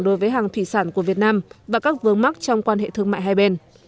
đối với hàng thủy sản của việt nam và các vướng mắc trong quan hệ thương mại hai bên